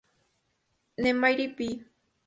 The Mighty B!!